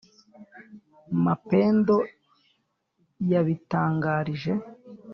Mapendo yabitangarije